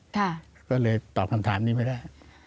ก็เลยตอบคำถามนี้ไม่ได้